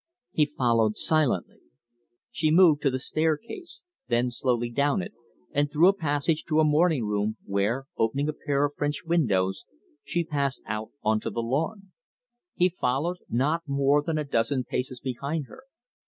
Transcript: He followed silently. She moved to the staircase, then slowly down it, and through a passage to a morning room, where, opening a pair of French windows, she passed out onto the lawn. He followed, not more than a dozen paces behind her.